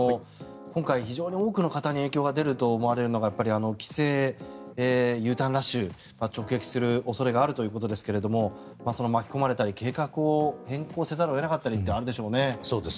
今回、非常に多くの方に影響が出ると思われるのが帰省、Ｕターンラッシュを直撃する恐れがあるということですけれど巻き込まれたり計画を変更せざるを得なかったりとあるでしょうね。